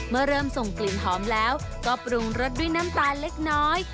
เมื่อเริ่มส่งกลิ่นหอมแล้วก็ปรุงรสด้วยน้ำตาลเล็กน้อย